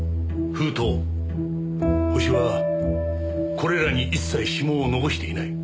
ホシはこれらに一切指紋を残していない。